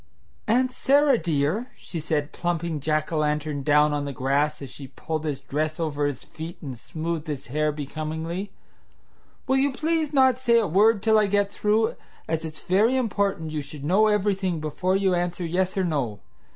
"Aunt Sarah, dear," she said, plumping Jack o' lantern down on the grass as she pulled his dress over his feet and smoothed his hair becomingly, "will you please not say a word till I get through as it's very important you should know everything before you answer yes or no?